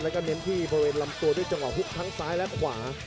แล้วก็เน้นที่บริเวณลำตัวด้วยจังหวะฮุกทั้งซ้ายและขวา